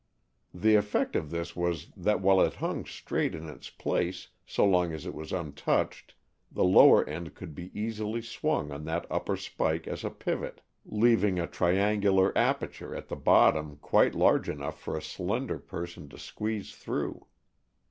The effect of this was that while it hung straight in its place so long as it was untouched the lower end could be easily swung on that upper spike as a pivot, leaving a triangular aperture at the bottom quite large enough for a slender person to squeeze through.